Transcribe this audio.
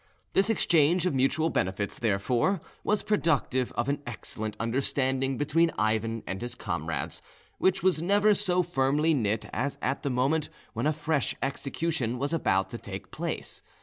This exchange of mutual benefits, therefore, was productive of an excellent understanding between Ivan and his comrades, which was never so firmly knit as at the moment when a fresh execution was about to take place.